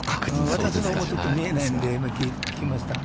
私のほうは、ちょっと見えないので、今、聞きました。